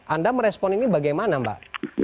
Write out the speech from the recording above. anda merespon ini bagaimana mbak